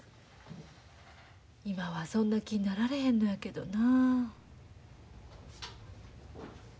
今はそんな気になられへんのやけどな。